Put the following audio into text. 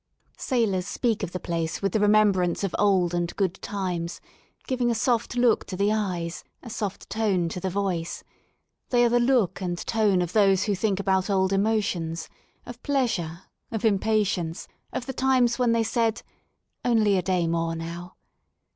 Sailors speak of the place with the remembrance of old and good times, giving a soft look to the eyes, a soft tone to the voice ; they are the look and tone of those who think about old emotions, of pleasure, of impatience, of the times when they said ^* Only a day more now."